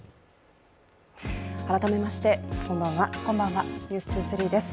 改めまして、こんばんは「ｎｅｗｓ２３」です。